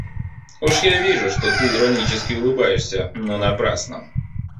Уж я вижу, что ты иронически улыбаешься, но напрасно.